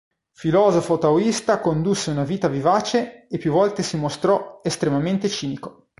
Filosofo taoista, condusse una vita vivace e più volte si mostrò estremamente cinico.